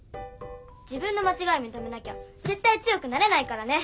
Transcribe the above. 自分のまちがいみとめなきゃぜったい強くなれないからね！